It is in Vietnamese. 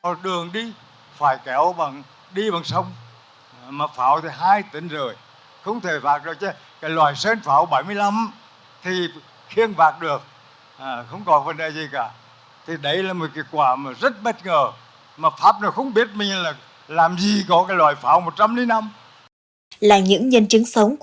là những nhân chứng sống của chiến dịch điện biên phủ